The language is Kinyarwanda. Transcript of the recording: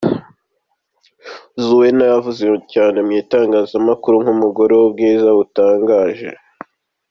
Zuena yavuzwe cyane mu itangazamakuru nk’umugore w’ubwiza butangaje.